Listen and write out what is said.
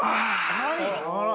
はい。